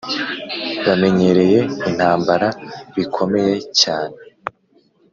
bamenyereye intambara bikomeye cyane